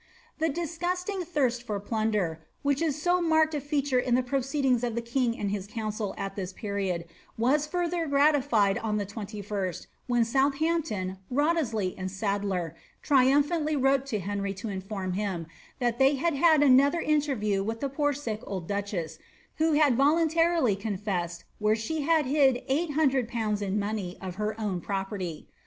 The disgusting thirst for plunder, which is so marked a feature in the proceedings of the king and his council at this period, was further grati fied on the 21 St, when Southampton, Wriothesley, and Sadler, triumph antly wrote to Henry to inform him, that they had had another interview with the poor sick old duchess, who had voluntarily confessed where she had hid 800/. in money of her own property.'